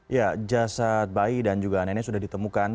ya jasad bayi dan juga nenek sudah ditemukan